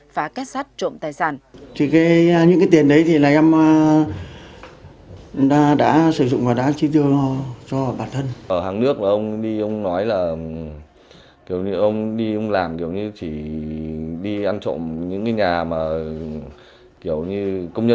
phá két sắt trộm tài sản